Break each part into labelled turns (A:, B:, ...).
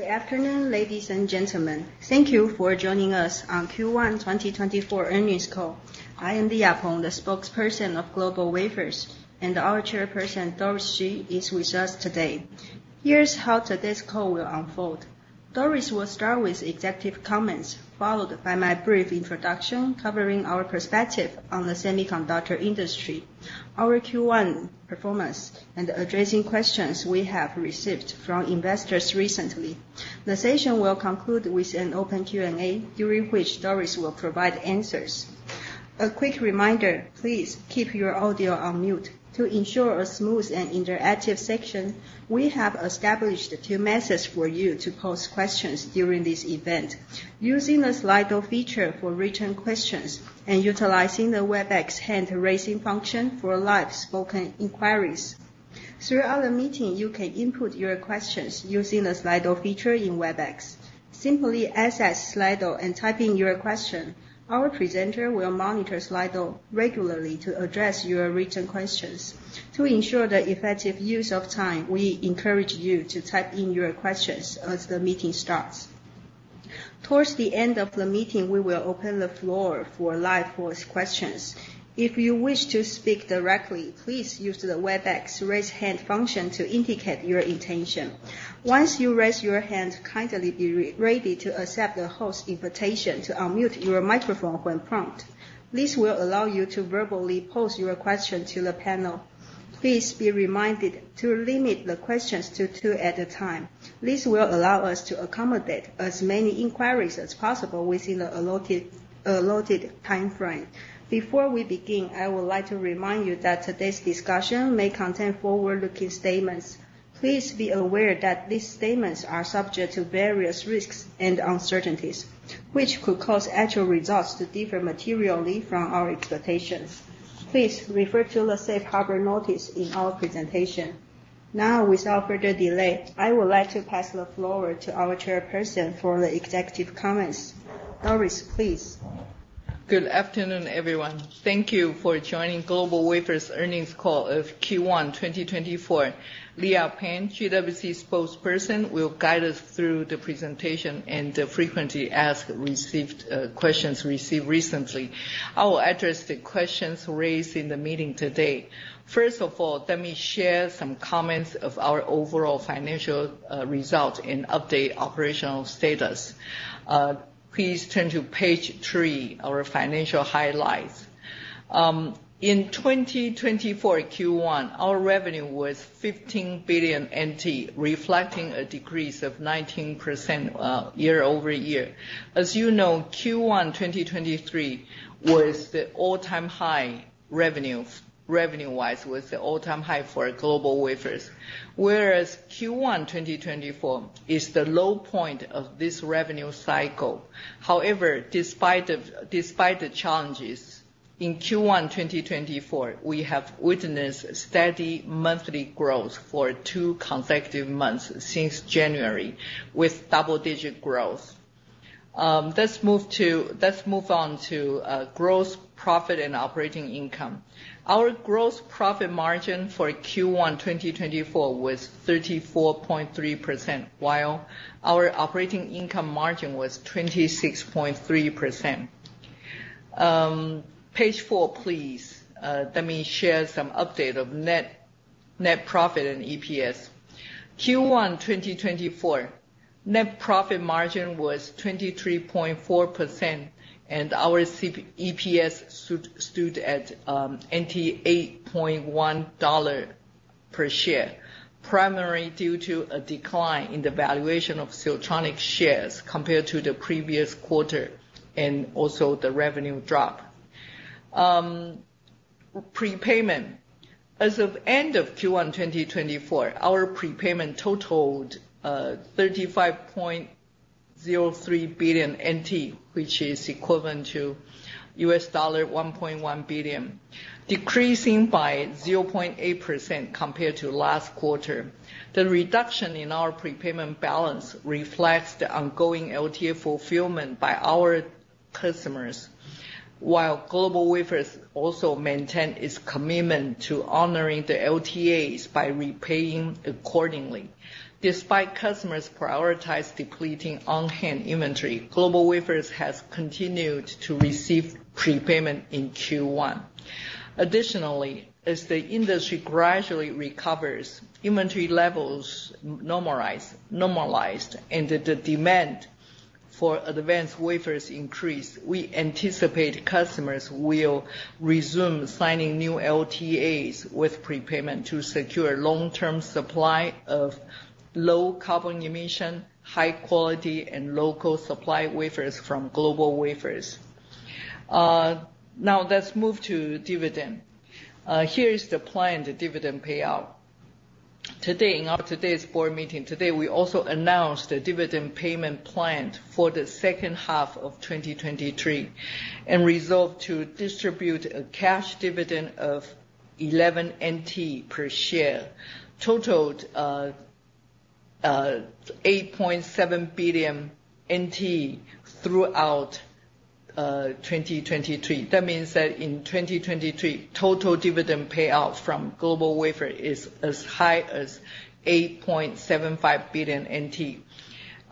A: Good afternoon, ladies and gentlemen. Thank you for joining us on Q1 2024 earnings call. I am Leah Peng, the Spokesperson of GlobalWafers, and our Chairperson, Doris Hsu, is with us today. Here's how today's call will unfold. Doris will start with executive comments, followed by my brief introduction, covering our perspective on the semiconductor industry, our Q1 performance, and addressing questions we have received from investors recently. The session will conclude with an open Q&A, during which Doris will provide answers. A quick reminder, please keep your audio on mute. To ensure a smooth and interactive session, we have established two methods for you to pose questions during this event, using the Slido feature for written questions and utilizing the Webex hand-raising function for live spoken inquiries. Throughout the meeting, you can input your questions using the Slido feature in Webex. Simply access Slido and type in your question. Our presenter will monitor Slido regularly to address your written questions. To ensure the effective use of time, we encourage you to type in your questions as the meeting starts. Towards the end of the meeting, we will open the floor for live voice questions. If you wish to speak directly, please use the Webex Raise Hand function to indicate your intention. Once you raise your hand, kindly be ready to accept the host invitation to unmute your microphone when prompted. This will allow you to verbally pose your question to the panel. Please be reminded to limit the questions to two at a time. This will allow us to accommodate as many inquiries as possible within the allotted time frame. Before we begin, I would like to remind you that today's discussion may contain forward-looking statements. Please be aware that these statements are subject to various risks and uncertainties, which could cause actual results to differ materially from our expectations. Please refer to the safe harbor notice in our presentation. Now, without further delay, I would like to pass the floor to our chairperson for the executive comments. Doris, please.
B: Good afternoon, everyone. Thank you for joining GlobalWafers earnings call of Q1 2024. Leah Peng, GWC spokesperson, will guide us through the presentation and the frequently asked questions received recently. I will address the questions raised in the meeting today. First of all, let me share some comments on our overall financial results and update operational status. Please turn to page three, our financial highlights. In 2024 Q1, our revenue was 15 billion NT, reflecting a decrease of 19% year-over-year. As you know, Q1 2023 was the all-time high revenue, revenue-wise, was the all-time high for GlobalWafers, whereas Q1 2024 is the low point of this revenue cycle. However, despite the challenges, in Q1 2024, we have witnessed steady monthly growth for two consecutive months since January, with double-digit growth. Let's move on to gross profit and operating income. Our gross profit margin for Q1 2024 was 34.3%, while our operating income margin was 26.3%. Page four, please. Let me share some update of net profit and EPS. Q1 2024, net profit margin was 23.4%, and our EPS stood at 8.1 dollar per share, primarily due to a decline in the valuation of Siltronic shares compared to the previous quarter and also the revenue drop. Prepayment. As of end of Q1 2024, our prepayment totaled 35.03 billion NT, which is equivalent to $1.1 billion, decreasing by 0.8% compared to last quarter. The reduction in our prepayment balance reflects the ongoing LTA fulfillment by our customers, while GlobalWafers also maintain its commitment to honoring the LTAs by repaying accordingly. Despite customers prioritize depleting on-hand inventory, GlobalWafers has continued to receive prepayment in Q1. Additionally, as the industry gradually recovers, inventory levels normalize, and the demand for advanced wafers increase, we anticipate customers will resume signing new LTAs with prepayment to secure long-term supply of low carbon emission, high quality, and local supply wafers from GlobalWafers. Now, let's move to dividend. Here is the planned dividend payout. Today, in our today's board meeting, today, we also announced a dividend payment plan for the H2 of 2023, and resolved to distribute a cash dividend of 11 NT per share, totaled 8.7 billion NT throughout 2023. That means that in 2023, total dividend payout from GlobalWafers is as high as 8.75 billion NT.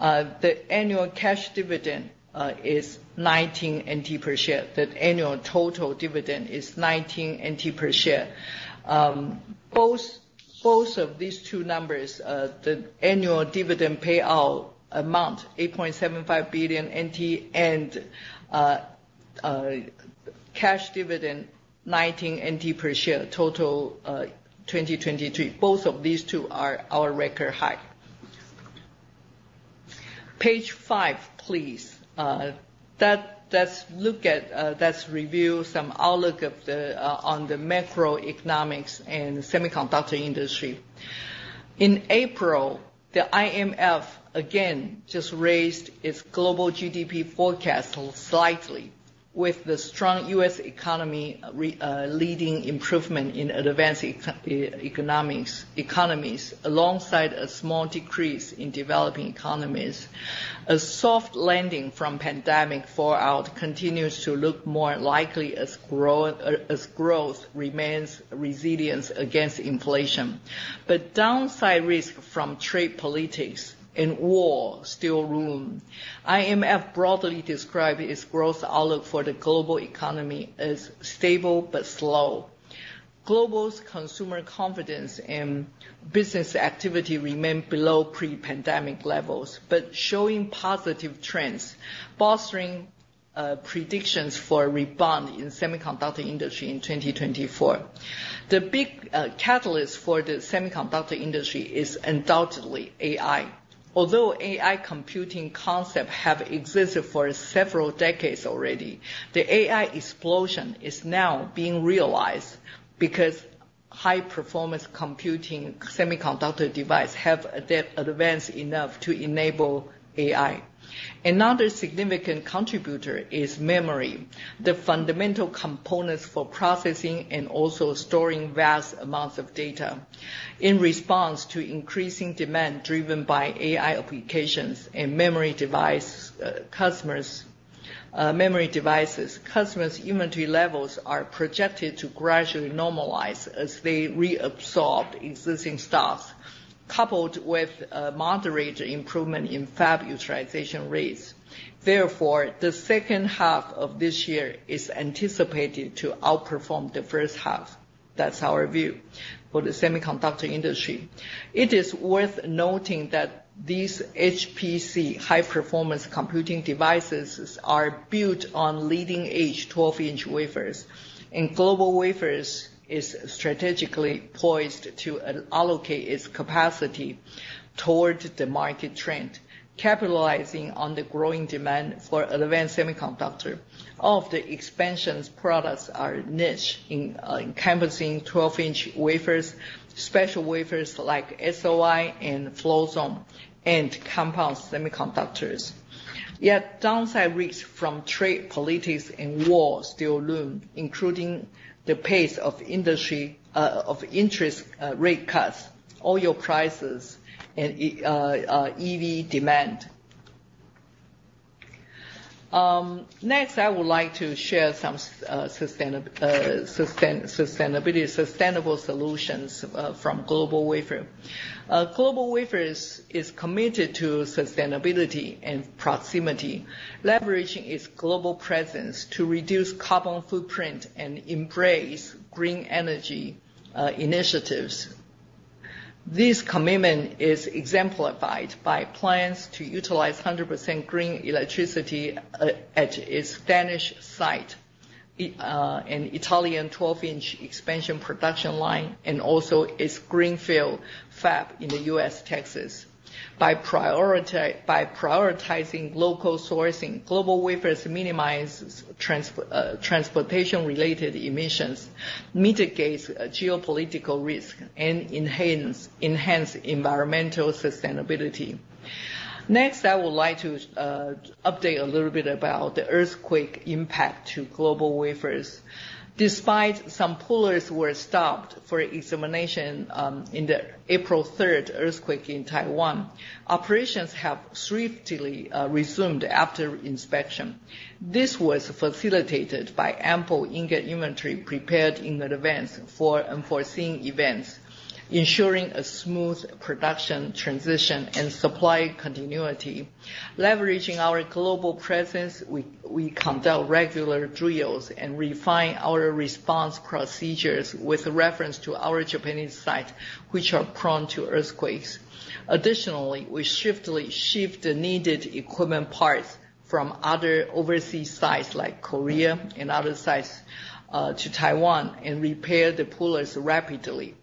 B: The annual cash dividend is 19 NT per share. The annual total dividend is 19 NT per share. Both of these two numbers, the annual dividend payout amount, 8.75 billion NT, and cash dividend, 19 NT per share, total, 2023, both of these two are our record high. Page five, please. Let's look at, let's review some outlook of the on the macroeconomics and semiconductor industry. In April, the IMF again just raised its global GDP forecast slightly with the strong U.S. economy leading improvement in advanced economies, alongside a small decrease in developing economies. A soft landing from pandemic fallout continues to look more likely as growth remains resilient against inflation. But downside risk from trade politics and war still loom. IMF broadly described its growth outlook for the global economy as stable but slow. Global's consumer confidence and business activity remain below pre-pandemic levels, but showing positive trends, bolstering predictions for a rebound in semiconductor industry in 2024. The big catalyst for the semiconductor industry is undoubtedly AI. Although AI computing concept have existed for several decades already, the AI explosion is now being realized because high-performance computing semiconductor device have advanced enough to enable AI. Another significant contributor is memory, the fundamental components for processing and also storing vast amounts of data. In response to increasing demand driven by AI applications and memory devices, customers' inventory levels are projected to gradually normalize as they reabsorb existing stocks, coupled with a moderate improvement in fab utilization rates. Therefore, the H2 of this year is anticipated to outperform the H1. That's our view for the semiconductor industry. It is worth noting that these HPC, high-performance computing devices, are built on leading-edge 12-inch wafers, and GlobalWafers is strategically poised to allocate its capacity towards the market trend, capitalizing on the growing demand for advanced semiconductor. All of the expansions products are niche in encompassing 12-inch wafers, special wafers like SOI and Float Zone, and compound semiconductors. Yet, downside risks from trade politics and war still loom, including the pace of interest rate cuts, oil prices, and EV demand. Next, I would like to share some sustainability, sustainable solutions from GlobalWafers. GlobalWafers is committed to sustainability and proximity, leveraging its global presence to reduce carbon footprint and embrace green energy initiatives. This commitment is exemplified by plans to utilize 100% green electricity at its Danish site and Italian 12-inch expansion production line, and also its greenfield fab in the U.S., Texas. By prioritizing local sourcing, GlobalWafers minimizes transportation-related emissions, mitigates geopolitical risk, and enhances environmental sustainability. Next, I would like to update a little bit about the earthquake impact to GlobalWafers. Despite some pullers were stopped for examination in the 3 April 2024 earthquake in Taiwan, operations have swiftly resumed after inspection. This was facilitated by ample ingot inventory prepared in advance for unforeseen events, ensuring a smooth production transition and supply continuity. Leveraging our global presence, we conduct regular drills and refine our response procedures with reference to our Japanese sites, which are prone to earthquakes. Additionally, we swiftly shift the needed equipment parts from other overseas sites like Korea and other sites to Taiwan and repair the pullers rapidly.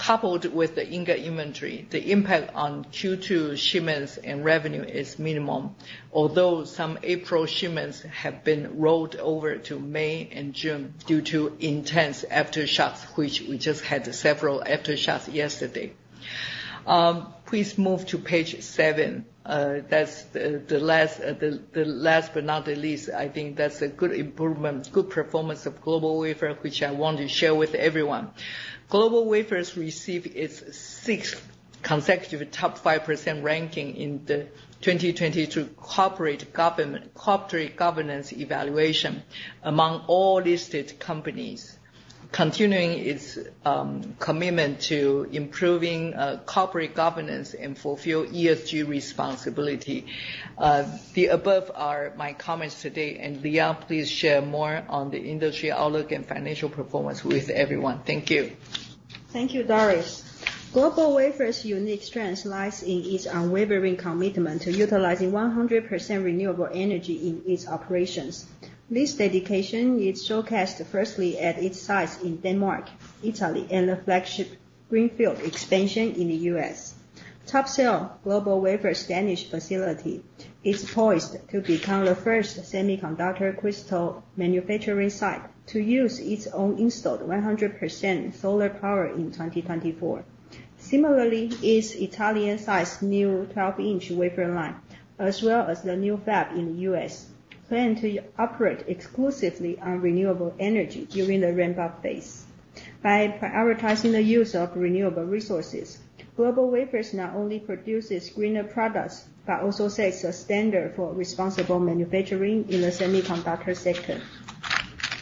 B: Coupled with the ingot inventory, the impact on Q2 shipments and revenue is minimum, although some April shipments have been rolled over to May and June due to intense aftershocks, which we just had several aftershocks yesterday. Please move to page seven. That's the last but not the least, I think that's a good improvement, good performance of GlobalWafers, which I want to share with everyone. GlobalWafers received its sixth consecutive top 5% ranking in the 2022 corporate governance evaluation among all listed companies, continuing its commitment to improving corporate governance and fulfill ESG responsibility. The above are my comments today, and Leah, please share more on the industry outlook and financial performance with everyone. Thank you.
A: Thank you, Doris. GlobalWafers' unique strength lies in its unwavering commitment to utilizing 100% renewable energy in its operations. This dedication is showcased firstly at its sites in Denmark, Italy, and the flagship greenfield expansion in the U.S. Topsil, GlobalWafers' Danish facility, is poised to become the first semiconductor crystal manufacturing site to use its own installed 100% solar power in 2024. Similarly, its Italian site's new 12-inch wafer line, as well as the new fab in the U.S., plan to operate exclusively on renewable energy during the ramp-up phase. By prioritizing the use of renewable resources, GlobalWafers not only produces greener products, but also sets a standard for responsible manufacturing in the semiconductor sector.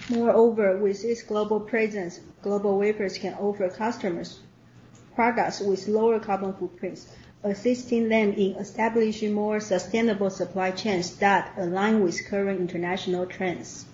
A: Moreover, with its global presence, GlobalWafers can offer customers products with lower carbon footprints, assisting them in establishing more sustainable supply chains that align with current international trends.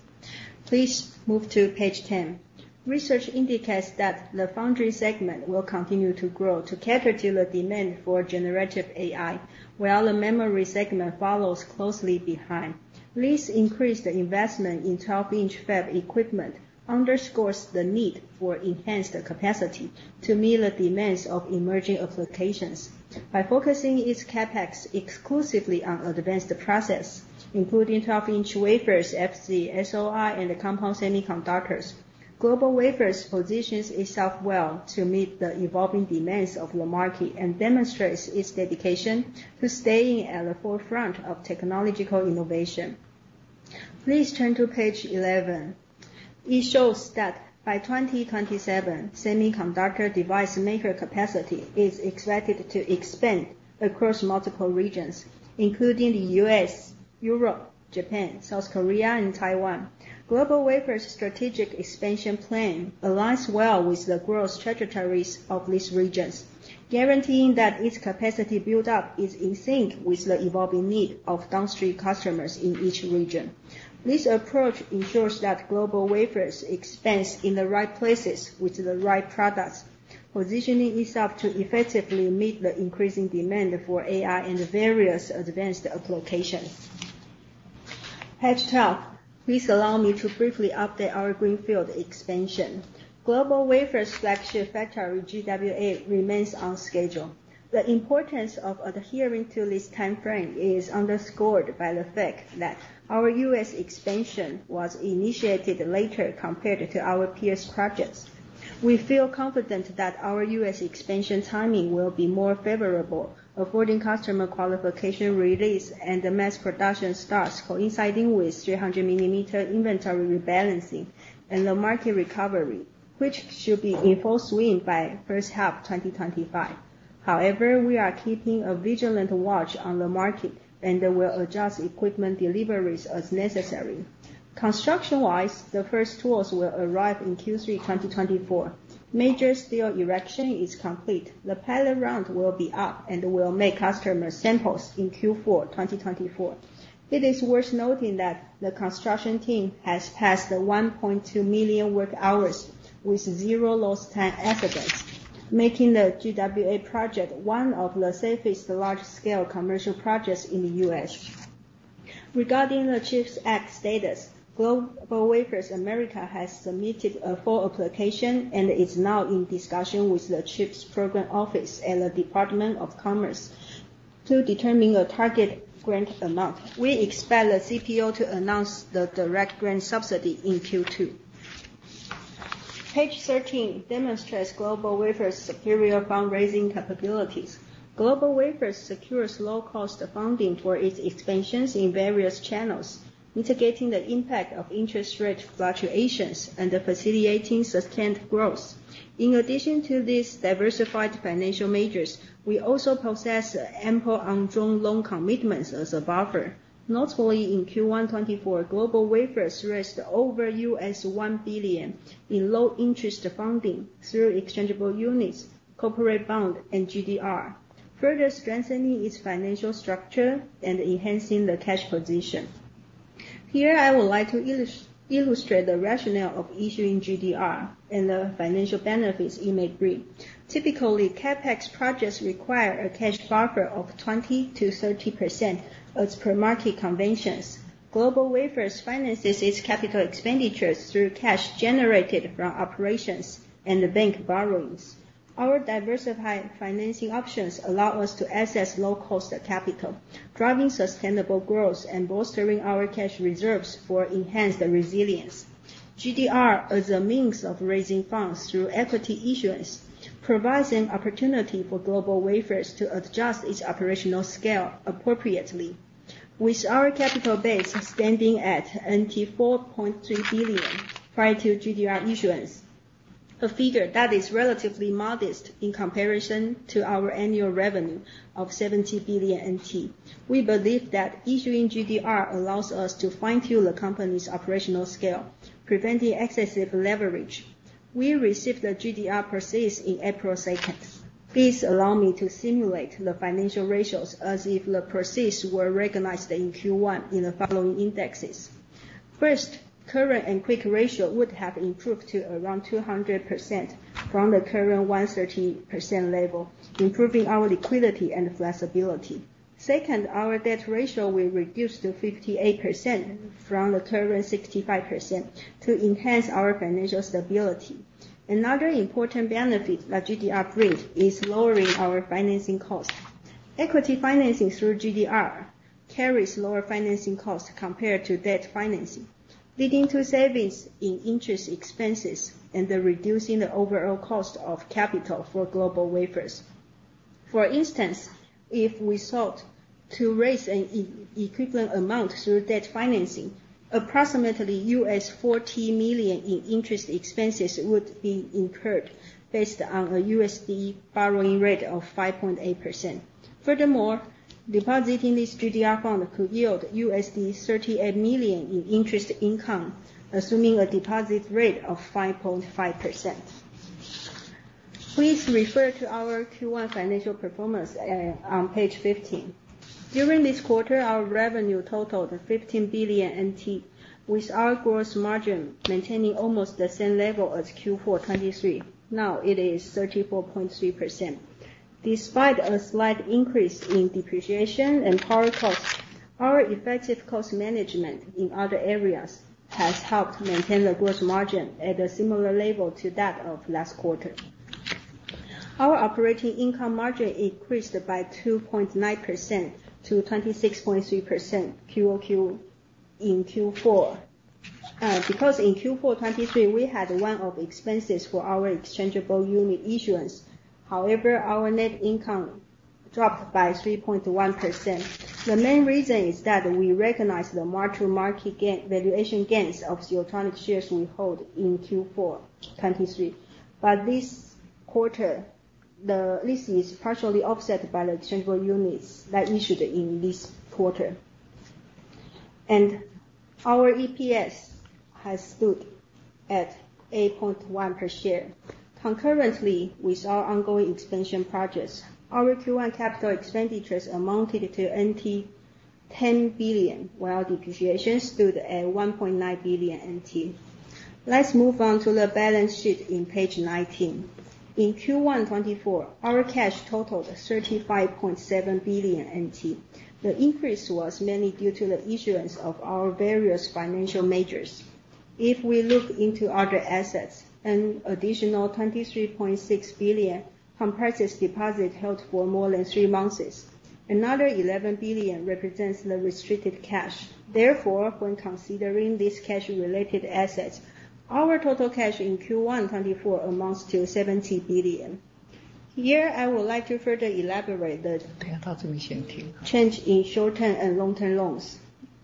A: Please move to page 10. Research indicates that the foundry segment will continue to grow to cater to the demand for generative AI, while the memory segment follows closely behind. This increased investment in 12-inch fab equipment underscores the need for enhanced capacity to meet the demands of emerging applications. By focusing its CapEx exclusively on advanced process, including 12-inch wafers, FC, SOI, and compound semiconductors, GlobalWafers positions itself well to meet the evolving demands of the market and demonstrates its dedication to staying at the forefront of technological innovation. Please turn to page 11. It shows that by 2027, semiconductor device maker capacity is expected to expand across multiple regions, including the U.S., Europe, Japan, South Korea, and Taiwan. GlobalWafers' strategic expansion plan aligns well with the growth trajectories of these regions, guaranteeing that its capacity build-up is in sync with the evolving need of downstream customers in each region. This approach ensures that GlobalWafers expands in the right places with the right products, positioning itself to effectively meet the increasing demand for AI and various advanced applications. Page 12, please allow me to briefly update our greenfield expansion. GlobalWafers' flagship factory, GWA, remains on schedule. The importance of adhering to this timeframe is underscored by the fact that our U.S. expansion was initiated later compared to our peers' projects. We feel confident that our U.S. expansion timing will be more favorable, affording customer qualification release and the mass production starts coinciding with 300 millimeter inventory rebalancing and the market recovery, which should be in full swing by H1 2025. However, we are keeping a vigilant watch on the market, and we'll adjust equipment deliveries as necessary. Construction-wise, the first tools will arrive in Q3 2024. Major steel erection is complete. The pilot ramp will be up, and we'll make customer samples in Q4 2024. It is worth noting that the construction team has passed the 1.2 million work hours with zero lost time accidents, making the GWA project one of the safest large-scale commercial projects in the U.S. Regarding the CHIPS Act status, GlobalWafers America has submitted a full application and is now in discussion with the CHIPS Program Office and the Department of Commerce to determine the target grant amount. We expect the CPO to announce the direct grant subsidy in Q2. Page 13 demonstrates GlobalWafers' superior fundraising capabilities. GlobalWafers secures low-cost funding for its expansions in various channels, mitigating the impact of interest rate fluctuations and facilitating sustained growth. In addition to these diversified financial measures, we also possess ample undrawn loan commitments as a buffer. Notably, in Q1 2024, GlobalWafers raised over $1 billion in low-interest funding through exchangeable units, corporate bond, and GDR, further strengthening its financial structure and enhancing the cash position. Here, I would like to illustrate the rationale of issuing GDR and the financial benefits it may bring. Typically, CapEx projects require a cash buffer of 20%-30% as per market conventions. GlobalWafers finances its capital expenditures through cash generated from operations and the bank borrowings. Our diversified financing options allow us to access low-cost capital, driving sustainable growth and bolstering our cash reserves for enhanced resilience. GDR, as a means of raising funds through equity issuance, provides an opportunity for GlobalWafers to adjust its operational scale appropriately. With our capital base standing at 4.3 billion prior to GDR issuance, a figure that is relatively modest in comparison to our annual revenue of 70 billion NT. We believe that issuing GDR allows us to fine-tune the company's operational scale, preventing excessive leverage. We received the GDR proceeds in 2 April 2024. Please allow me to simulate the financial ratios as if the proceeds were recognized in Q1 in the following indexes. First, current and quick ratio would have improved to around 200% from the current 130% level, improving our liquidity and flexibility. Second, our debt ratio will reduce to 58% from the current 65% to enhance our financial stability. Another important benefit the GDR brings is lowering our financing cost. Equity financing through GDR carries lower financing costs compared to debt financing, leading to savings in interest expenses and then reducing the overall cost of capital for GlobalWafers. For instance, if we sought to raise an e-equivalent amount through debt financing, approximately $40 million in interest expenses would be incurred based on a USD borrowing rate of 5.8%. Furthermore, depositing this GDR fund could yield $38 million in interest income, assuming a deposit rate of 5.5%. Please refer to our Q1 financial performance, on page 15. During this quarter, our revenue totaled 15 billion NT, with our gross margin maintaining almost the same level as Q4 2023. Now it is 34.3%. Despite a slight increase in depreciation and power costs, our effective cost management in other areas has helped maintain the gross margin at a similar level to that of last quarter. Our operating income margin increased by 2.9%-26.3% QoQ in Q4 2023, because in Q4 2023, we had one-off expenses for our exchangeable unit issuance. However, our net income dropped by 3.1%. The main reason is that we recognized the mark-to-market gain, valuation gains of Siltronic shares we hold in Q4 2023. But this quarter, this is partially offset by the exchangeable units that issued in this quarter. And our EPS has stood at 8.1 per share. Concurrently, with our ongoing expansion projects, our Q1 capital expenditures amounted to 10 billion, while depreciation stood at 1.9 billion NT. Let's move on to the balance sheet on page 19. In Q1 2024, our cash totaled 35.7 billion NT. The increase was mainly due to the issuance of our various financial measures. If we look into other assets, an additional 23.6 billion comprises deposit held for more than three months. Another 11 billion represents the restricted cash. Therefore, when considering these cash-related assets, our total cash in Q1 2024 amounts to 17 billion. Here, I would like to further elaborate the change in short-term and long-term loans.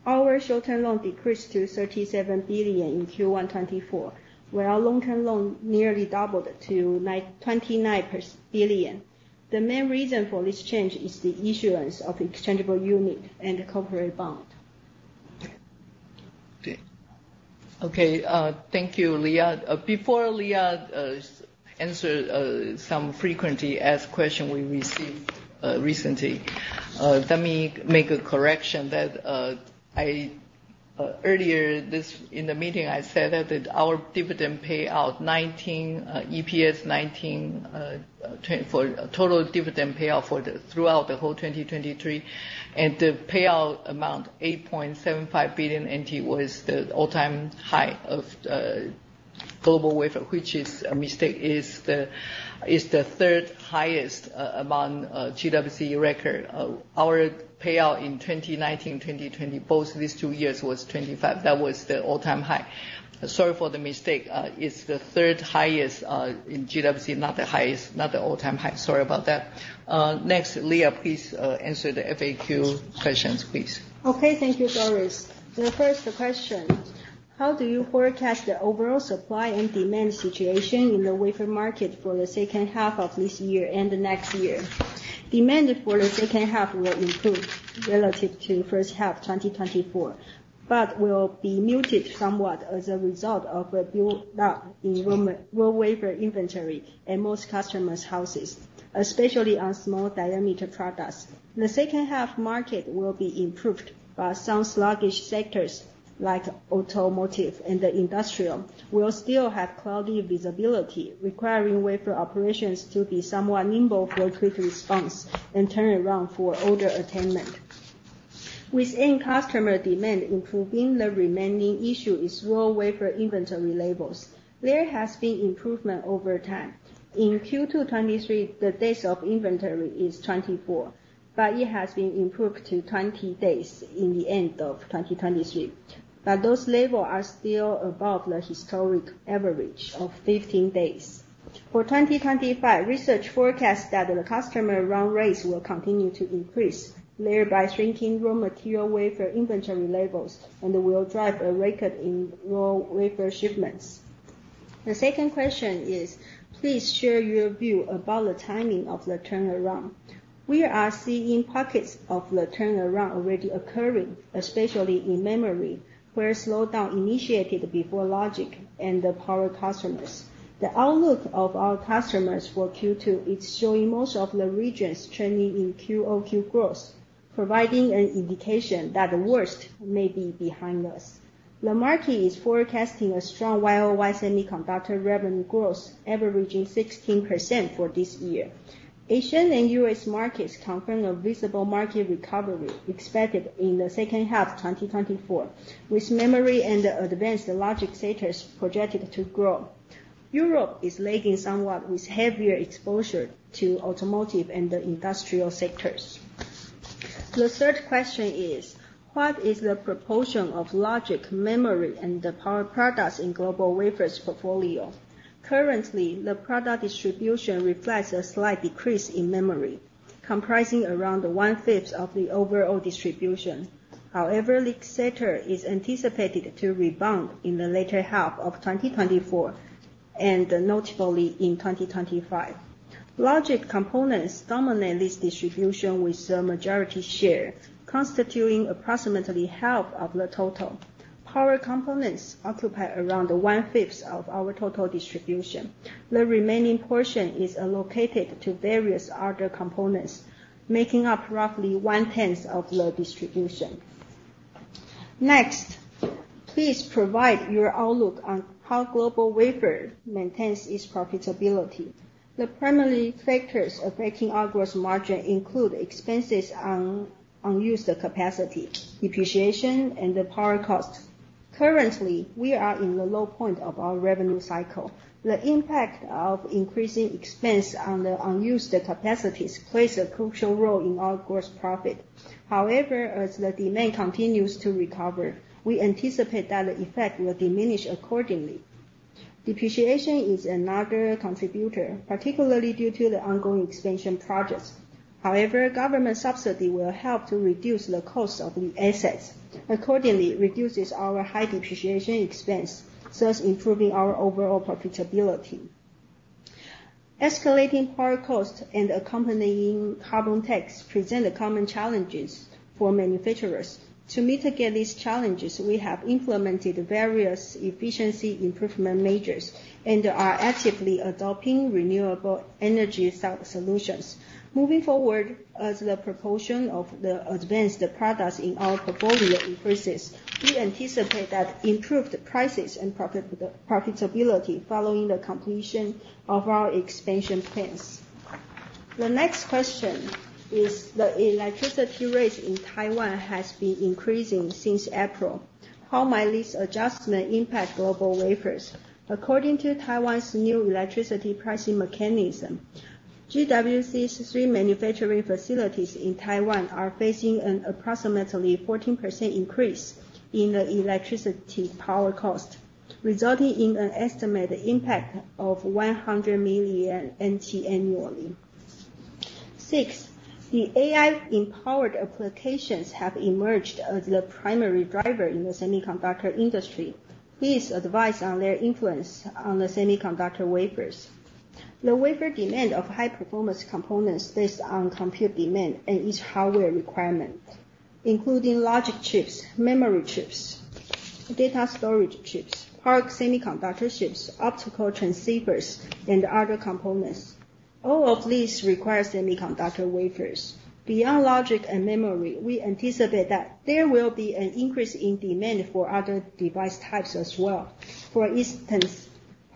A: Our short-term loan decreased to 37 billion in Q1 2024, while long-term loan nearly doubled to 29 billion. The main reason for this change is the issuance of exchangeable unit and corporate bond.
B: Okay, thank you, Leah. Before Leah's answer, some frequently asked question we received recently, let me make a correction that I earlier in this meeting said that our dividend payout 19 EPS 19 for total dividend payout throughout the whole 2023, and the payout amount 8.75 billion NT was the all-time high of GlobalWafers, which is a mistake, is the third highest among GWC record. Our payout in 2019, 2020, both these two years was 25. That was the all-time high. Sorry for the mistake. It's the third highest in GWC, not the highest, not the all-time high. Sorry about that. Next, Leah, please answer the FAQ questions, please.
A: Okay. Thank you, Doris. The first question: How do you forecast the overall supply and demand situation in the wafer market for the H2 of this year and the next year? Demand for the H2 will improve relative to H1 2024, but will be muted somewhat as a result of a build up in raw wafer inventory in most customers' houses, especially on small diameter products. The H2 market will be improved, but some sluggish sectors, like automotive and the industrial, will still have cloudy visibility, requiring wafer operations to be somewhat nimble for quick response and turn around for order attainment. With end customer demand improving, the remaining issue is raw wafer inventory levels. There has been improvement over time. In Q2 2023, the days of inventory is 24, but it has been improved to 20 days in the end of 2023. Those levels are still above the historic average of 15 days. For 2025, research forecasts that the customer run rates will continue to increase, thereby shrinking raw material wafer inventory levels and will drive a record in raw wafer shipments. The second question is, please share your view about the timing of the turnaround. We are seeing pockets of the turnaround already occurring, especially in memory, where slowdown initiated before logic and the power customers. The outlook of our customers for Q2 is showing most of the regions trending in QoQ growth, providing an indication that the worst may be behind us. The market is forecasting a strong YoY semiconductor revenue growth, averaging 16% for this year. Asian and US markets confirm a visible market recovery expected in the H2 2024, with memory and advanced logic sectors projected to grow. Europe is lagging somewhat with heavier exposure to automotive and industrial sectors. The third question is: What is the proportion of logic, memory, and power products in GlobalWafers' portfolio? Currently, the product distribution reflects a slight decrease in memory, comprising around one-fifth of the overall distribution. However, this sector is anticipated to rebound in the latter half of 2024, and notably in 2025. Logic components dominate this distribution with a majority share, constituting approximately half of the total. Power components occupy around one-fifth of our total distribution. The remaining portion is allocated to various other components, making up roughly one-tenth of the distribution. Next, please provide your outlook on how GlobalWafers maintains its profitability. The primary factors affecting our gross margin include expenses on unused capacity, depreciation, and power costs. Currently, we are in the low point of our revenue cycle. The impact of increasing expense on the unused capacities plays a crucial role in our gross profit. However, as the demand continues to recover, we anticipate that the effect will diminish accordingly. Depreciation is another contributor, particularly due to the ongoing expansion projects. However, government subsidy will help to reduce the cost of the assets, accordingly, reduces our high depreciation expense, thus improving our overall profitability. Escalating power costs and accompanying carbon tax present common challenges for manufacturers. To mitigate these challenges, we have implemented various efficiency improvement measures and are actively adopting renewable energy solutions. Moving forward, as the proportion of the advanced products in our portfolio increases, we anticipate that improved prices and profitability following the completion of our expansion plans. The next question is, the electricity rates in Taiwan has been increasing since April. How might this adjustment impact GlobalWafers? According to Taiwan's new electricity pricing mechanism, GWC's three manufacturing facilities in Taiwan are facing an approximately 14% increase in the electricity power cost, resulting in an estimated impact of 100 million NT annually. Six, the AI-empowered applications have emerged as the primary driver in the semiconductor industry. Please advise on their influence on the semiconductor wafers? The wafer demand of high-performance components based on compute demand and each hardware requirement, including logic chips, memory chips, data storage chips, power semiconductor chips, optical transceivers, and other components. All of these require semiconductor wafers. Beyond logic and memory, we anticipate that there will be an increase in demand for other device types as well. For instance,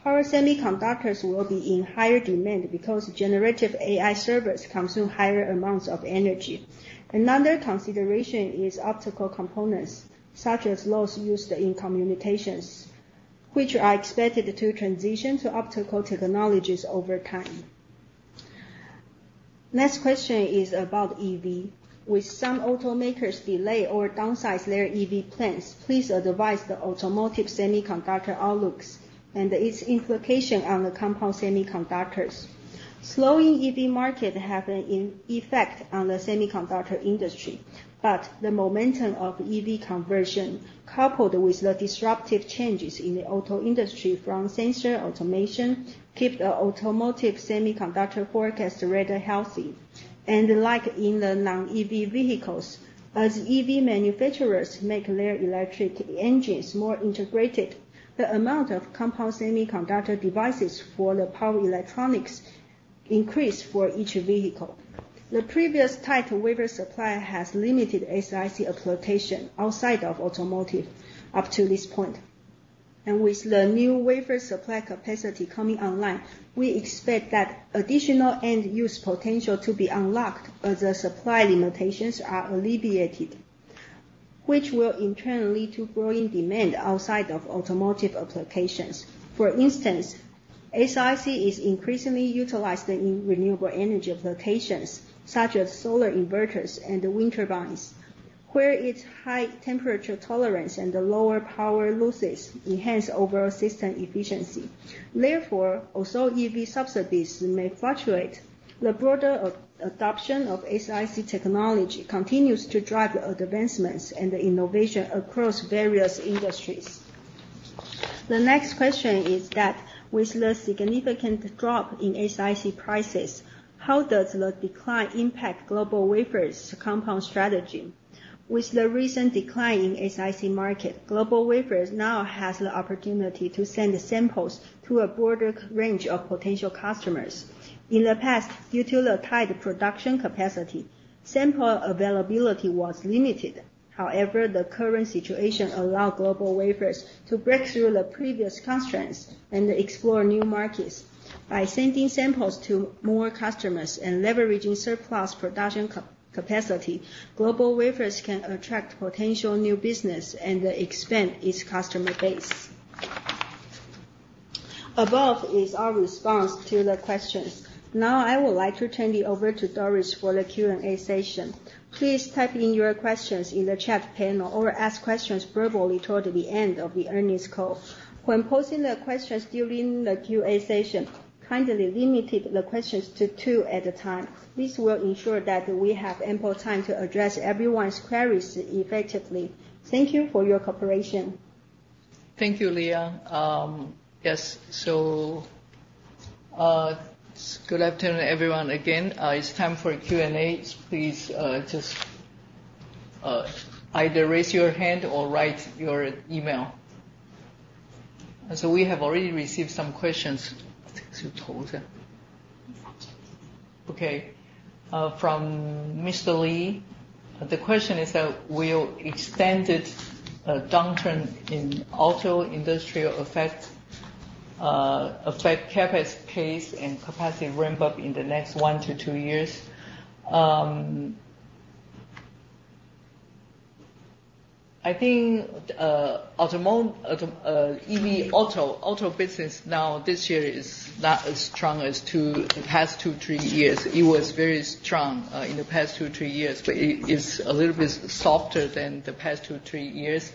A: power semiconductors will be in higher demand because generative AI servers consume higher amounts of energy. Another consideration is optical components, such as those used in communications, which are expected to transition to optical technologies over time. Next question is about EV. With some automakers delay or downsize their EV plans, please advise the automotive semiconductor outlooks and its implication on the compound semiconductors? Slowing EV market have an in effect on the semiconductor industry, but the momentum of EV conversion, coupled with the disruptive changes in the auto industry from sensor automation, keep the automotive semiconductor forecast rather healthy. And like in the non-EV vehicles, as EV manufacturers make their electric engines more integrated, the amount of compound semiconductor devices for the power electronics increase for each vehicle. The previous tight wafer supply has limited SiC application outside of automotive up to this point. With the new wafer supply capacity coming online, we expect that additional end-use potential to be unlocked as the supply limitations are alleviated, which will in turn lead to growing demand outside of automotive applications. For instance, SiC is increasingly utilized in renewable energy applications, such as solar inverters and wind turbines, where its high temperature tolerance and the lower power losses enhance overall system efficiency. Therefore, also EV subsidies may fluctuate. The broader adoption of SiC technology continues to drive advancements and innovation across various industries. The next question is that, with the significant drop in SiC prices, how does the decline impact GlobalWafers' compound strategy? With the recent decline in SiC market, GlobalWafers now has the opportunity to send samples to a broader range of potential customers. In the past, due to the tight production capacity, sample availability was limited. However, the current situation allow GlobalWafers to break through the previous constraints and explore new markets. By sending samples to more customers and leveraging surplus production capacity, GlobalWafers can attract potential new business and expand its customer base. Above is our response to the questions. Now, I would like to turn it over to Doris for the Q&A session. Please type in your questions in the chat panel, or ask questions verbally toward the end of the earnings call. When posing the questions during the Q&A session, kindly limit the questions to two at a time. This will ensure that we have ample time to address everyone's queries effectively. Thank you for your cooperation.
B: Thank you, Leah. Yes, good afternoon, everyone, again. It's time for Q&A. Please, just, either raise your hand or write your email. We have already received some questions. Okay, from Mr. Lee. The question is that, "Will extended downturn in auto industrial affect CapEx pace and capacity ramp-up in the next one to two years?" I think auto business now, this year, is not as strong as the past two to three years. It was very strong in the past two to three years, but it is a little bit softer than the past two to three years.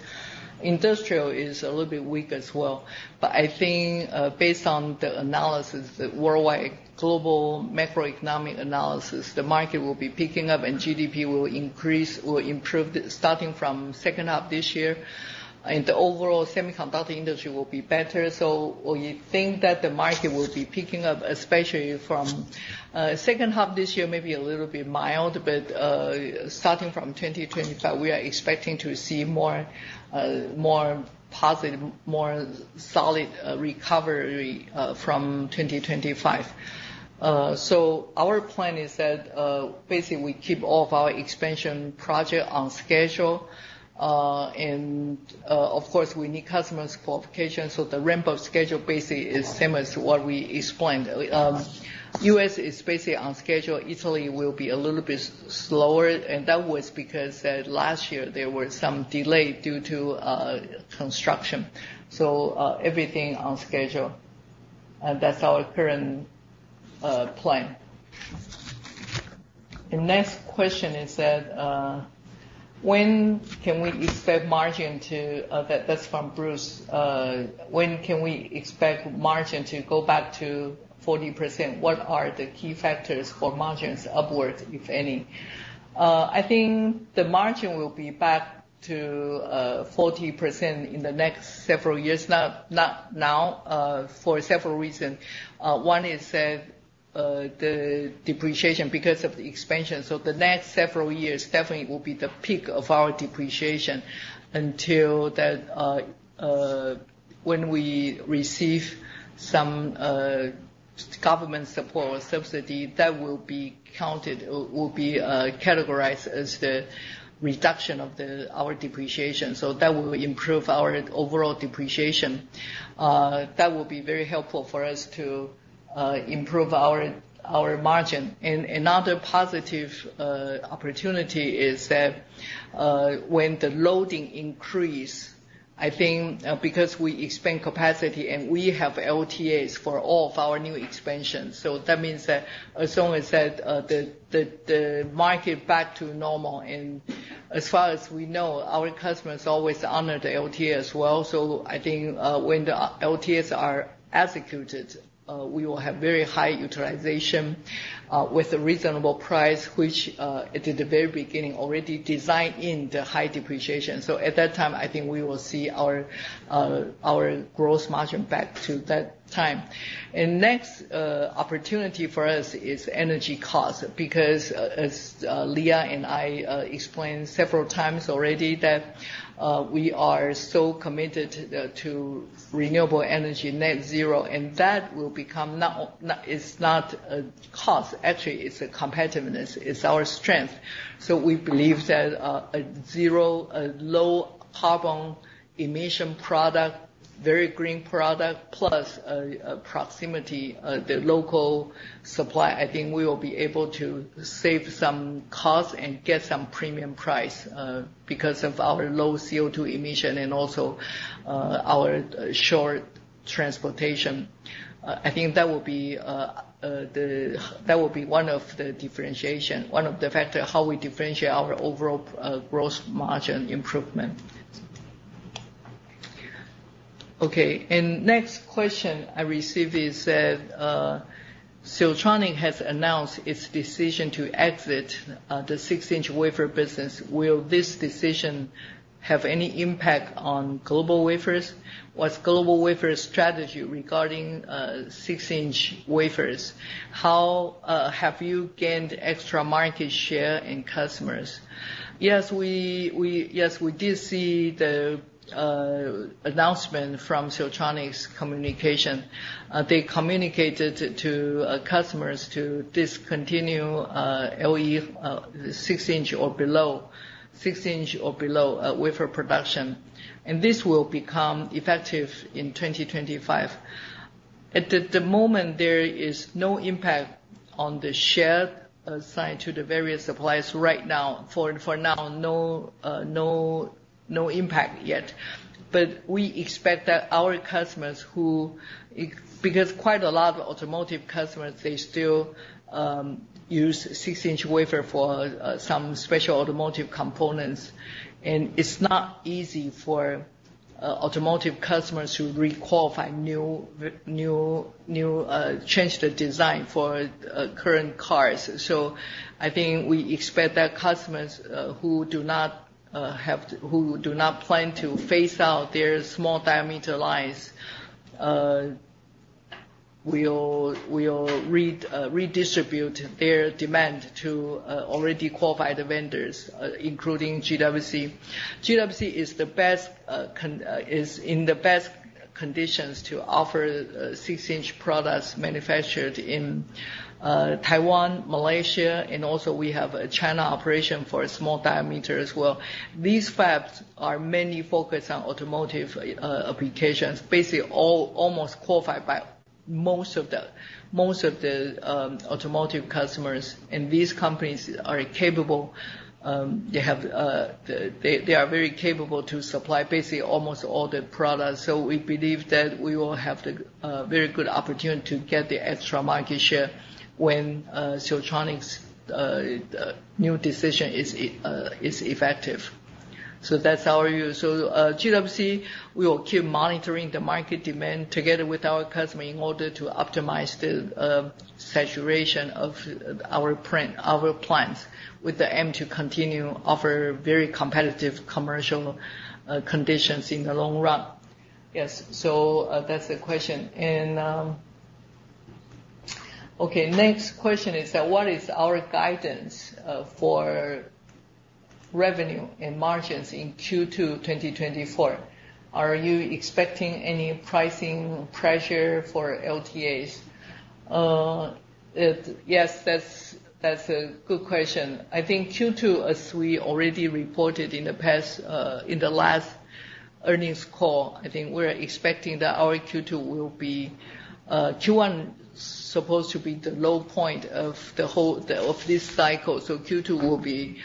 B: Industrial is a little bit weak as well. But I think, based on the analysis, the worldwide global macroeconomic analysis, the market will be picking up, and GDP will increase or improve, starting from H2 this year, and the overall semiconductor industry will be better. So we think that the market will be picking up, especially from, H2 this year, maybe a little bit mild. But, starting from 2025, we are expecting to see more, more positive, more solid, recovery, from 2025. So our plan is that, basically, we keep all of our expansion project on schedule. And, of course, we need customers' qualification, so the ramp-up schedule basically is same as what we explained. US is basically on schedule. Italy will be a little bit slower, and that was because, last year there were some delay due to, construction. So, everything on schedule, and that's our current plan. The next question is: "When can we expect margin to go back to 40%? What are the key factors for margins upwards, if any?" That's from Bruce. I think the margin will be back to 40% in the next several years, not now, for several reason. One is that the depreciation because of the expansion. So the next several years definitely will be the peak of our depreciation until that when we receive some government support or subsidy, that will be counted or will be categorized as the reduction of the our depreciation. So that will improve our overall depreciation. That will be very helpful for us to improve our margin. And another positive opportunity is that when the loading increase, I think, because we expand capacity, and we have LTAs for all of our new expansions. So that means that, as long as that the market back to normal, and as far as we know, our customers always honor the LTAs well. So I think when the LTAs are executed we will have very high utilization with a reasonable price, which at the very beginning, already designed in the high depreciation. So at that time, I think we will see our gross margin back to that time. And next opportunity for us is energy cost. Because as Leah and I explained several times already, that we are so committed to renewable energy net zero, and that will become not, it's not a cost. Actually, it's a competitiveness, it's our strength. So we believe that a low carbon emission product, very green product plus proximity, the local supply, I think we will be able to save some cost and get some premium price because of our low CO2 emission and also our short transportation. I think that will be the, that will be one of the differentiation, one of the factor how we differentiate our overall gross margin improvement. Okay, and next question I received is that: Siltronic has announced its decision to exit the six-inch wafer business. Will this decision have any impact on GlobalWafers? What's GlobalWafers' strategy regarding six-inch wafers? How have you gained extra market share and customers? Yes, we did see the announcement from Siltronic's communication. They communicated to customers to discontinue LE six-inch or below six-inch or below wafer production, and this will become effective in 2025. At the moment, there is no impact on the share assigned to the various suppliers right now. For now, no impact yet. But we expect that our customers because quite a lot of automotive customers, they still use six-inch wafer for some special automotive components, and it's not easy for automotive customers to re-qualify new change the design for current cars. So I think we expect that customers who do not plan to phase out their small diameter lines will redistribute their demand to already qualified vendors, including GWC. GWC is in the best conditions to offer 6-inch products manufactured in Taiwan, Malaysia, and also we have a China operation for a small diameter as well. These fabs are mainly focused on automotive applications, basically all almost qualified by most of the automotive customers, and these companies are capable. They are very capable to supply basically almost all the products. So we believe that we will have the very good opportunity to get the extra market share when Siltronic's new decision is effective. So that's our view. GWC, we will keep monitoring the market demand together with our customer in order to optimize the saturation of our footprint, our plants, with the aim to continue to offer very competitive commercial conditions in the long run. Yes, that's the question. Okay, next question is that: What is our guidance for revenue and margins in Q2 2024? Are you expecting any pricing pressure for LTAs? Yes, that's a good question. I think Q2, as we already reported in the past, in the last earnings call, I think we're expecting that our Q2 will be. Q1 supposed to be the low point of the whole, of this cycle, so Q2 will be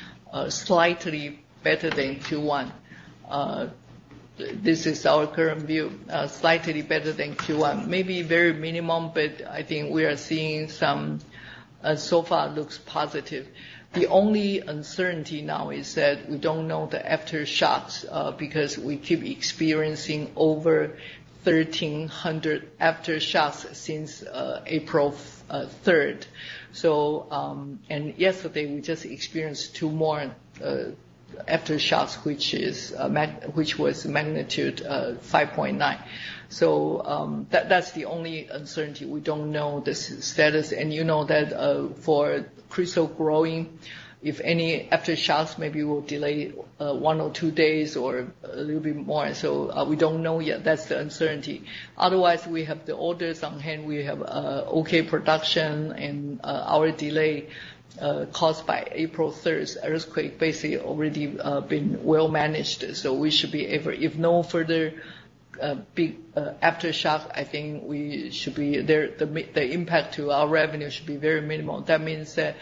B: slightly better than Q1. This is our current view, slightly better than Q1. Maybe very minimum, but I think we are seeing some, so far looks positive. The only uncertainty now is that we don't know the aftershocks, because we keep experiencing over 1,300 aftershocks since 3 April 2024. So, and yesterday, we just experienced two more aftershocks, which was magnitude 5.9. So, that's the only uncertainty. We don't know the status, and you know that, for crystal growing, if any aftershocks, maybe will delay one or two days or a little bit more. So, we don't know yet. That's the uncertainty. Otherwise, we have the orders on hand. We have okay production and our delay caused by April 3rd's earthquake basically already been well managed, so we should be able, if no further big aftershock, I think we should be there, the impact to our revenue should be very minimal. That means that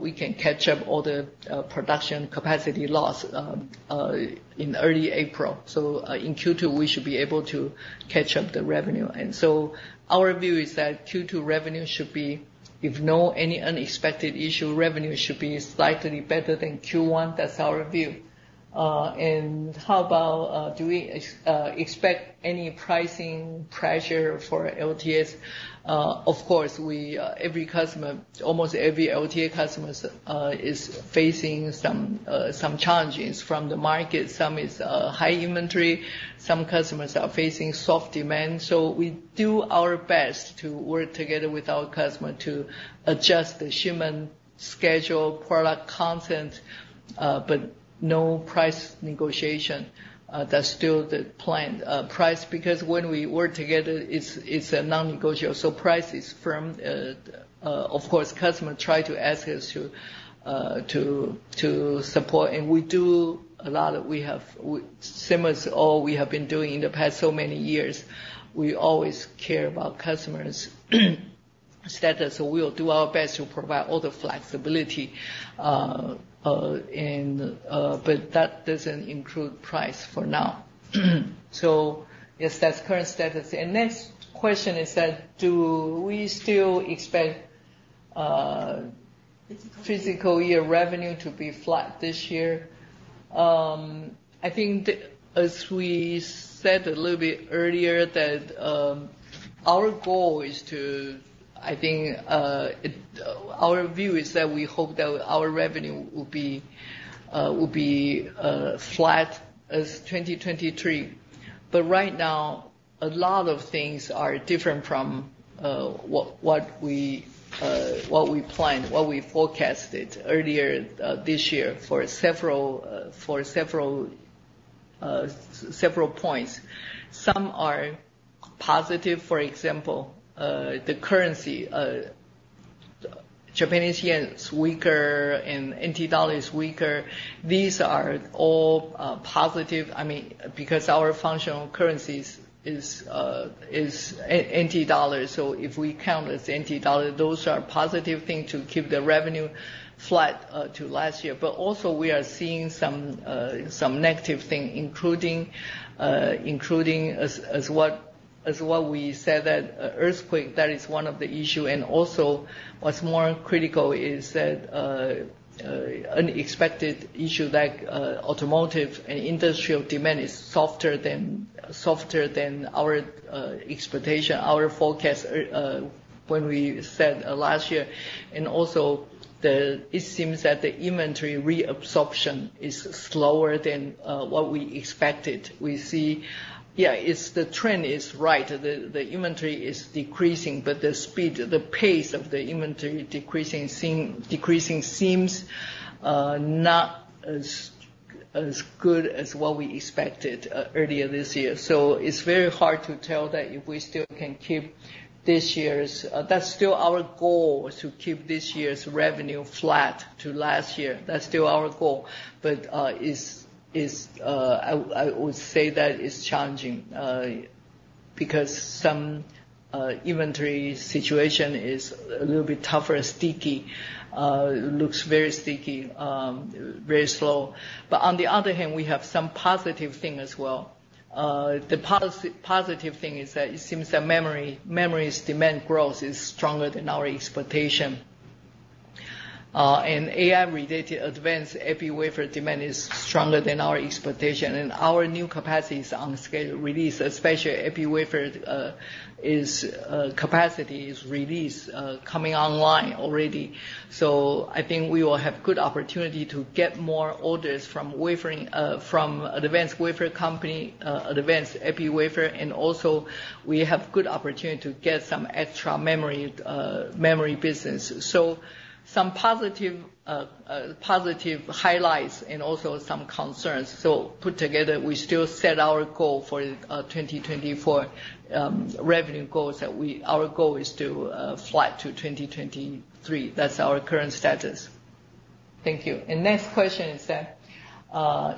B: we can catch up all the production capacity loss in early April. So in Q2, we should be able to catch up the revenue. And so our view is that Q2 revenue should be, if no any unexpected issue, revenue should be slightly better than Q1. That's our view. And how about do we expect any pricing pressure for LTAs? Of course, we every customer, almost every LTA customers is facing some some challenges from the market. Some is high inventory. Some customers are facing soft demand. So we do our best to work together with our customer to adjust the shipment schedule, product content, but no price negotiation. That's still the planned price, because when we work together, it's a non-negotiable, so price is firm. Of course, customer try to ask us to support, and we do a lot. We have same as all we have been doing in the past so many years. We always care about customers' status, so we will do our best to provide all the flexibility, but that doesn't include price for now. So yes, that's current status. And next question is that: do we still expect fiscal year revenue to be flat this year? I think, as we said a little bit earlier, that our goal is, I think, our view is that we hope that our revenue will be flat as 2023. But right now, a lot of things are different from what we planned, what we forecasted earlier this year, for several points. Some are positive, for example, the currency, Japanese yen is weaker, and New Taiwan dollar is weaker. These are all positive, I mean, because our functional currencies is New Taiwan dollar. So if we count as New Taiwan dollar, those are positive thing to keep the revenue flat to last year. But also we are seeing some negative thing, including as what we said, that earthquake, that is one of the issue. And also, what's more critical is that unexpected issue that automotive and industrial demand is softer than our expectation, our forecast when we said last year. And also, it seems that the inventory reabsorption is slower than what we expected. We see, yeah, it's the trend is right. The inventory is decreasing, but the speed, the pace of the inventory decreasing seems not as good as what we expected earlier this year. So it's very hard to tell that if we still can keep this year's, that's still our goal, is to keep this year's revenue flat to last year. That's still our goal, but I would say that it's challenging, because some inventory situation is a little bit tougher, sticky, looks very sticky, very slow. But on the other hand, we have some positive thing as well. The positive thing is that it seems that memory's demand growth is stronger than our expectation. And AI-related advanced epi wafer demand is stronger than our expectation, and our new capacities on schedule release, especially epi wafer, capacity is released, coming online already. So I think we will have good opportunity to get more orders from wafering, from advanced wafer company, advanced epi wafer, and also we have good opportunity to get some extra memory, memory business. So some positive, positive highlights and also some concerns. So put together, we still set our goal for 2024 revenue goals, that our goal is to flat to 2023. That's our current status. Thank you. And next question is that: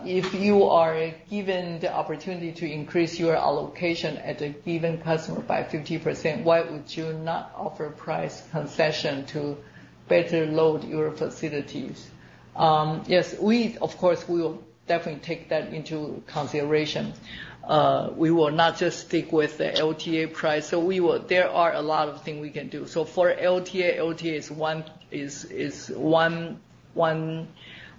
B: If you are given the opportunity to increase your allocation at a given customer by 50%, why would you not offer price concession to better load your facilities? Yes, of course, we will definitely take that into consideration. We will not just stick with the LTA price, so there are a lot of things we can do. So for LTA, LTA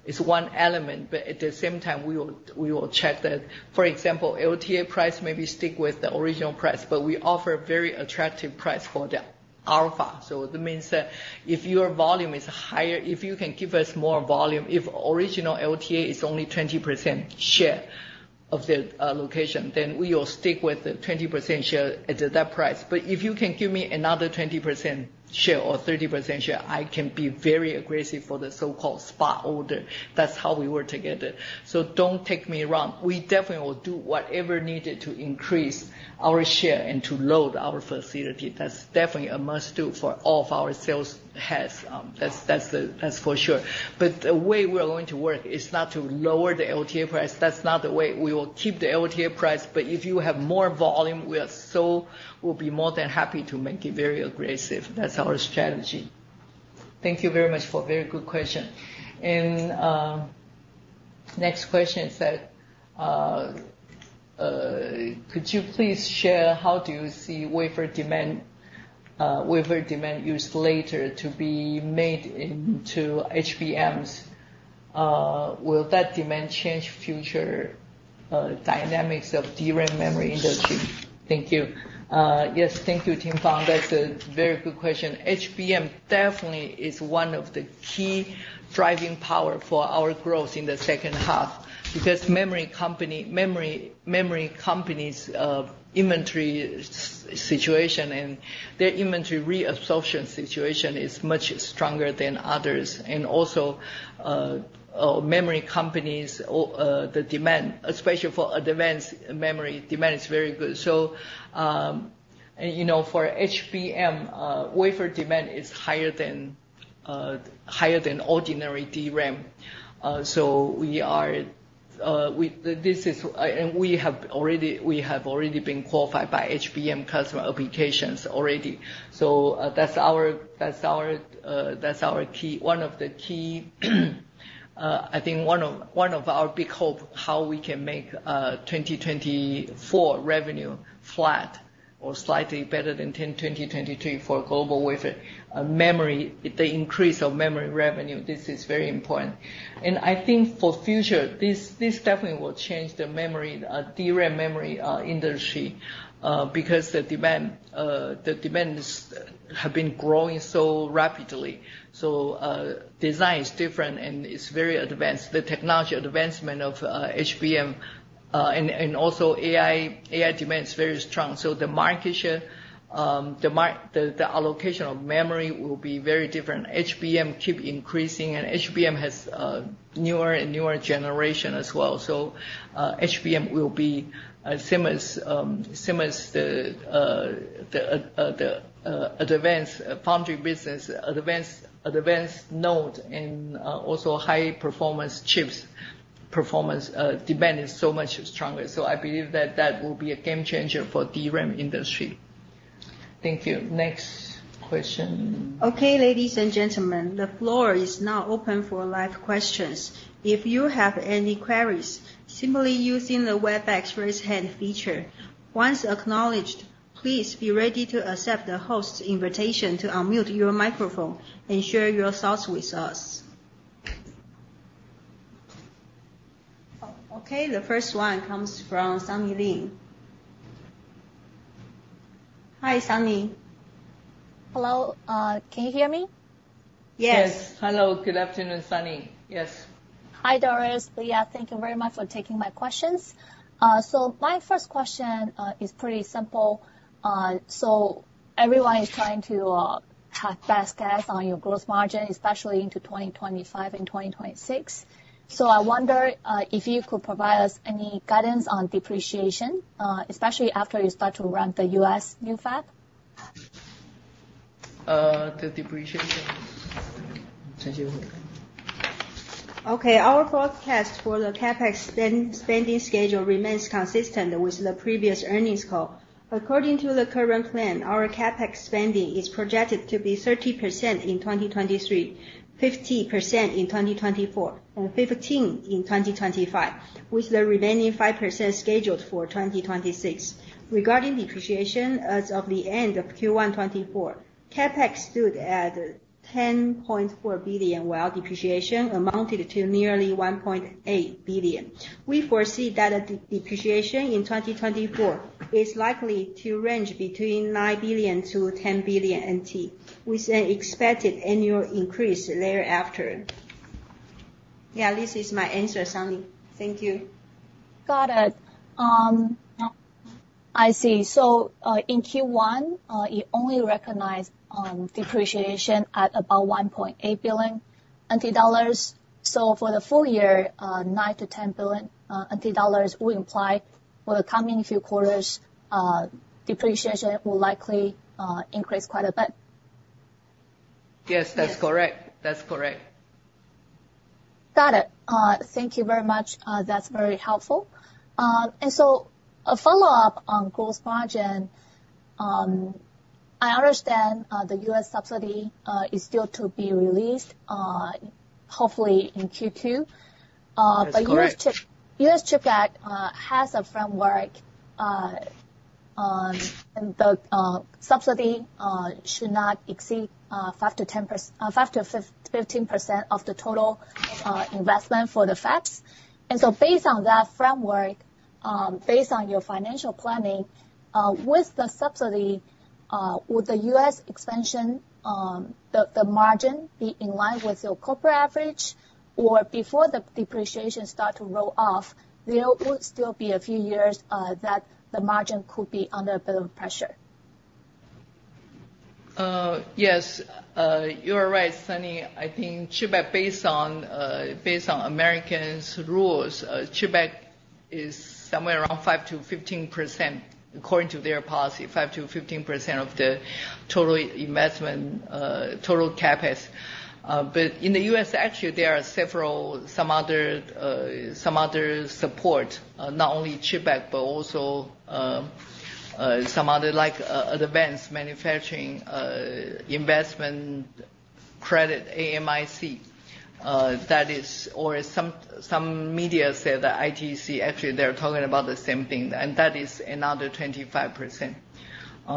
B: is one element, but at the same time, we will check that. For example, LTA price, maybe stick with the original price, but we offer very attractive price for the alpha. So that means that if your volume is higher, if you can give us more volume, if original LTA is only 20% share of the location, then we will stick with the 20% share at that price. But if you can give me another 20% share or 30% share, I can be very aggressive for the so-called spot order. That's how we work together. So don't take me wrong. We definitely will do whatever needed to increase our share and to load our facility. That's definitely a must-do for all of our sales heads. That's for sure. But the way we are going to work is not to lower the LTA price. That's not the way. We will keep the LTA price, but if you have more volume, we'll be more than happy to make it very aggressive. That's our strategy. Thank you very much for a very good question. And next question is that: Could you please share how do you see wafer demand, wafer demand used later to be made into HBMs? Will that demand change future, dynamics of DRAM memory industry? Thank you. Yes, thank you, Tim Fang. That's a very good question. HBM definitely is one of the key driving power for our growth in the H2, because memory companies' inventory situation and their inventory reabsorption situation is much stronger than others. And also, memory companies, the demand, especially for advanced memory, demand is very good. So, you know, for HBM, wafer demand is higher than ordinary DRAM. So we have already been qualified by HBM customer applications already. So, that's our key—one of the key, I think one of our big hope, how we can make 2024 revenue flat or slightly better than 10, 2023 for GlobalWafers with memory, the increase of memory revenue. This is very important. And I think for future, this definitely will change the memory DRAM memory industry because the demands have been growing so rapidly. So, design is different, and it's very advanced. The technology advancement of HBM and also AI demand is very strong. So the market share, the allocation of memory will be very different. HBM keep increasing, and HBM has newer and newer generation as well. So HBM will be as same as same as the advanced foundry business, advanced node and also high performance chips. Performance demand is so much stronger. So I believe that that will be a game changer for DRAM industry. Thank you. Next question.
A: Okay, ladies and gentlemen, the floor is now open for live questions. If you have any queries, simply using the Webex Raise Hand feature. Once acknowledged, please be ready to accept the host's invitation to unmute your microphone and share your thoughts with us. Oh, okay. The first one comes from Sunny Lee. Hi, Sunny.
C: Hello. Can you hear me?
A: Yes.
B: Yes. Hello, good afternoon, Sunny. Yes.
C: Hi, Doris. Leah. Thank you very much for taking my questions. So my first question is pretty simple. So everyone is trying to have best guess on your gross margin, especially into 2025 and 2026. So I wonder if you could provide us any guidance on depreciation, especially after you start to run the U.S. new fab?
B: The depreciation. Chen Shu Hu.
A: Okay, our forecast for the CapEx spend, spending schedule remains consistent with the previous earnings call. According to the current plan, our CapEx spending is projected to be 30% in 2023, 50% in 2024, and 15% in 2025, with the remaining 5% scheduled for 2026. Regarding depreciation, as of the end of Q1 2024, CapEx stood at 10.4 billion, while depreciation amounted to nearly 1.8 billion. We foresee that the depreciation in 2024 is likely to range between 9 billion-10 billion NT, with an expected annual increase thereafter. Yeah, this is my answer, Sunny. Thank you.
C: Got it. I see. So, in Q1, you only recognized depreciation at about 1.8 billion dollars. So for the full year, 9-10 billion dollars will imply for the coming few quarters, depreciation will likely increase quite a bit.
B: Yes, that's correct.
A: Yes.
B: That's correct.
C: Got it. Thank you very much. That's very helpful. And so a follow-up on gross margin. I understand the U.S. subsidy is still to be released, hopefully in Q2.
B: That's correct.
C: But the CHIPS Act has a framework on the subsidy should not exceed 5%-15% of the total investment for the fabs. And so based on that framework, based on your financial planning, with the subsidy, with the U.S. expansion, the margin be in line with your corporate average, or before the depreciation start to roll off, there would still be a few years that the margin could be under a bit of pressure?
B: Yes, you are right, Sunny. I think CHIPS Act, based on American rules, CHIPS Act is somewhere around 5%-15%, according to their policy, 5%-15% of the total investment, total CapEx. But in the US, actually, there are several, some other support, not only CHIPS Act, but also, some other like, Advanced Manufacturing, Investment Credit, AMIC. That is, or some media say the ITC, actually, they're talking about the same thing, and that is another 25%.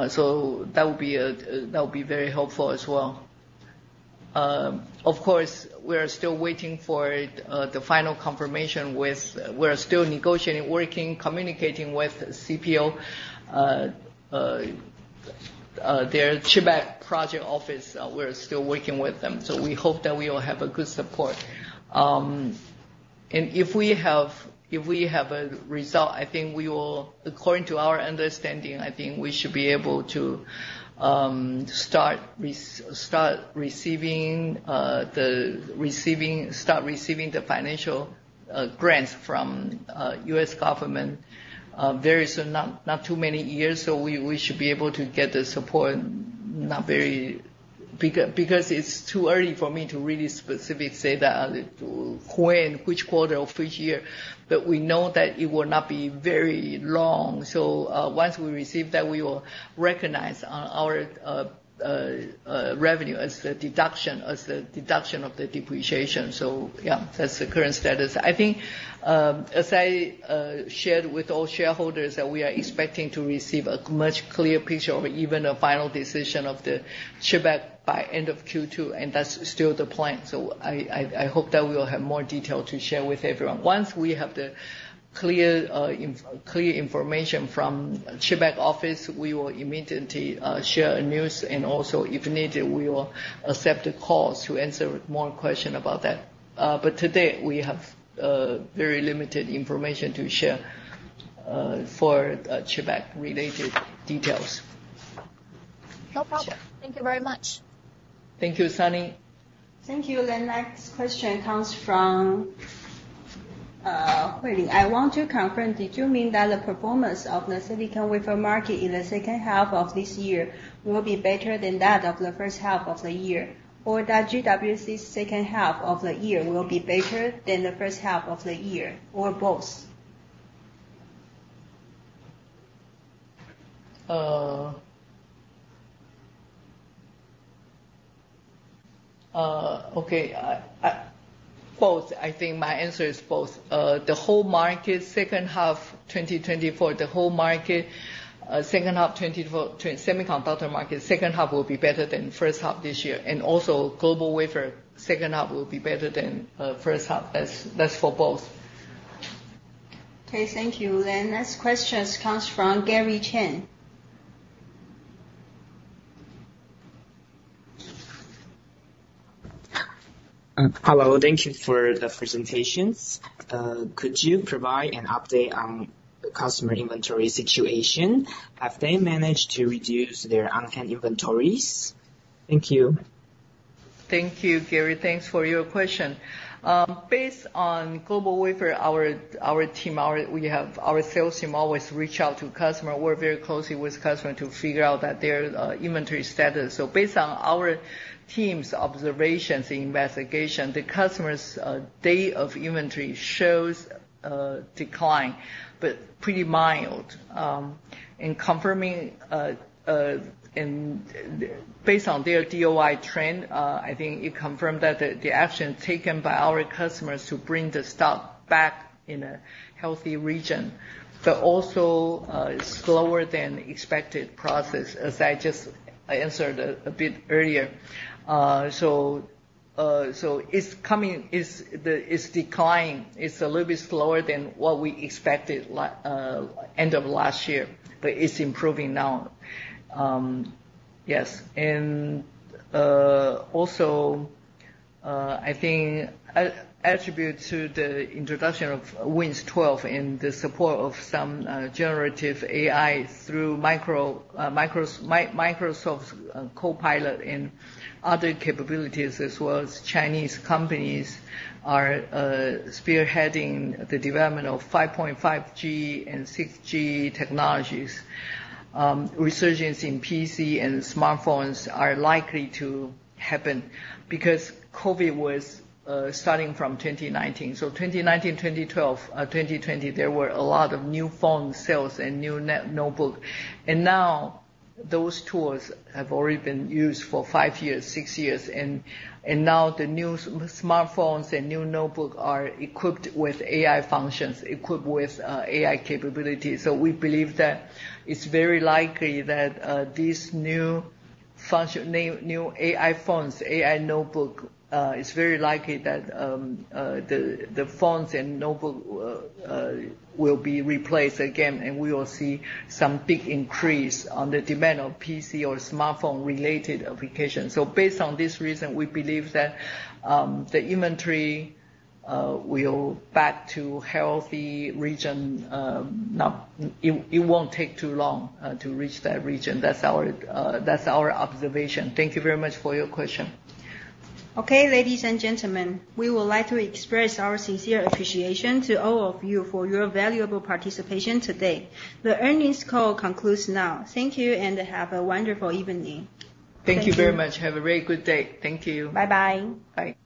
B: So that would be very helpful as well. Of course, we are still waiting for the final confirmation with, we're still negotiating, working, communicating with CPO, their CHIPS Act project office. We're still working with them, so we hope that we will have a good support. And if we have a result, I think we will, according to our understanding, I think we should be able to start receiving the financial grants from the U.S. government. There is not too many years, so we should be able to get the support. Not very, because it's too early for me to really specifically say that, when, which quarter of which year, but we know that it will not be very long. So, once we receive that, we will recognize on our revenue as the deduction of the depreciation. So yeah, that's the current status. I think, as I shared with all shareholders, that we are expecting to receive a much clearer picture or even a final decision of the CHIPS Act by end of Q2, and that's still the plan. So I hope that we will have more detail to share with everyone. Once we have the clear information from CHIPS Act office, we will immediately share a news, and also, if needed, we will accept the calls to answer more question about that. But today, we have very limited information to share, for CHIPS Act related details.
C: No problem. Thank you very much.
B: Thank you, Sunny.
A: Thank you. The next question comes from Willie. I want to confirm, did you mean that the performance of the silicon wafer market in the H2 of this year will be better than that of the H1 of the year, or that GWC's H2 of the year will be better than the H1 of the year, or both?
B: Both, I think my answer is both. The whole market, H2 2024, for the whole market, H2 2024 semiconductor market, H2 will be better than H1 this year, and also GlobalWafers, H2 will be better than H1. That's for both.
A: Okay, thank you. Then next questions comes from Gary Chen.
D: Hello. Thank you for the presentations. Could you provide an update on the customer inventory situation? Have they managed to reduce their on-hand inventories? Thank you.
B: Thank you, Gary. Thanks for your question. Based on GlobalWafers, our team. We have our sales team always reach out to customer. We're very close with customer to figure out their inventory status. So based on our team's observations and investigation, the customer's days of inventory shows a decline, but pretty mild. In confirming based on their DOI trend, I think it confirmed that the action taken by our customers to bring the stock back in a healthy region. But also, it's slower than expected process, as I just answered a bit earlier. So it's coming, it's the it's declining. It's a little bit slower than what we expected end of last year, but it's improving now. Yes, and also, I think attributable to the introduction of Windows 12 and the support of some generative AI through Microsoft's Copilot and other capabilities, as well as Chinese companies are spearheading the development of 5.5G and 6G technologies. Resurgence in PC and smartphones are likely to happen because COVID was starting from 2019. So 2019, 2012, 2020, there were a lot of new phone sales and new notebook, and now those tools have already been used for five years, six years, and now the new smartphones and new notebook are equipped with AI functions, equipped with AI capabilities. So we believe that it's very likely that these new function new AI phones, AI notebook, it's very likely that the phones and notebook will be replaced again, and we will see some big increase on the demand of PC or smartphone-related applications. So based on this reason, we believe that the inventory will back to healthy region. It won't take too long to reach that region. That's our observation. Thank you very much for your question.
A: Okay, ladies and gentlemen, we would like to express our sincere appreciation to all of you for your valuable participation today. The earnings call concludes now. Thank you, and have a wonderful evening.
B: Thank you very much.
A: Thank you.
B: Have a very good day. Thank you.
A: Bye-bye. Bye.